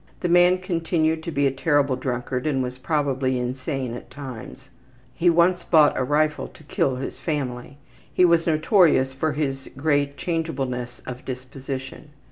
The man continued to be a terrible drunkard and was probably insane at times. He once bought a rifle to kill his family. He was notorious for his great changeableness of disposition.